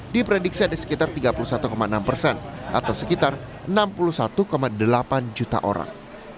diprediksi ada sekitar tiga puluh satu enam persen atau sekitar enam puluh satu delapan juta orang